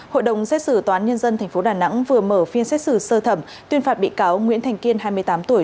hội đồng xét xử toán nhân dân tp đà nẵng vừa mở phiên xét xử sơ thẩm tuyên phạt bị cáo nguyễn thành kiên hai mươi tám tuổi